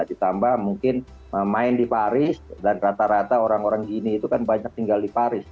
ditambah mungkin main di paris dan rata rata orang orang gini itu kan banyak tinggal di paris